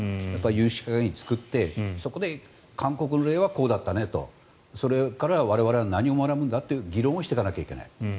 有識者会議を作って、そこで韓国の例はこうだったねとそれから我々は何を学ぶんだという議論をしていかないといけない。